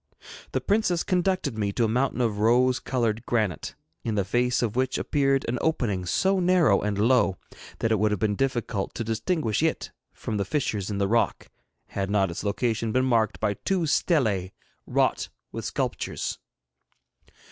The princess conducted me to a mountain of rose coloured granite, in the face of which appeared an opening so narrow and low that it would have been difficult to distinguish it from the fissures in the rock, had not its location been marked by two stelae wrought with sculptures.